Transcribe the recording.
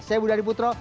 saya budi adiputro